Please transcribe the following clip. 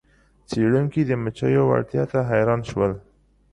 څیړونکي د مچیو وړتیا ته حیران شول.